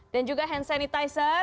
dan juga hand sanitizer